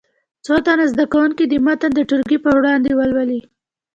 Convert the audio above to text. څو تنه زده کوونکي دې متن د ټولګي په وړاندې ولولي.